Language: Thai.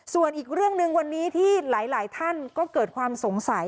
ส่วนอีกเรื่องหนึ่งวันนี้ที่หลายท่านก็เกิดความสงสัย